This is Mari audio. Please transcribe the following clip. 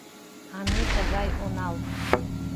А ме тыгай онал.